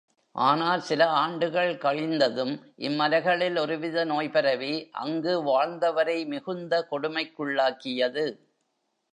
ஆனால் சில ஆண்டுகள் கழிந்ததும், இம்மலைகளில் ஒருவித நோய் பரவி அங்கு வாழ்ந்தவரை மிகுந்த கொடுமைக்குள்ளாக்கியது.